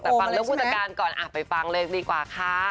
แต่ฟังเรื่องผู้จัดการก่อนไปฟังเลยดีกว่าค่ะ